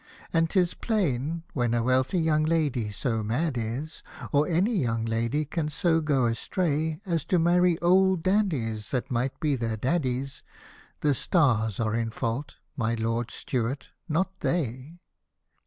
And 'tis plain, when a wealthy young lady so mad is. Or a?ty young ladies can so go astray, As to marry old Dandies that might be their daddies. The stars are in fault, my Lord St — w — rt, not they!